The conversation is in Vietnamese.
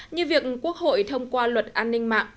như việc quốc hội thông qua luật an ninh mạng